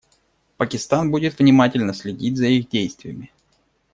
Пакистан будет внимательно следить за их действиями.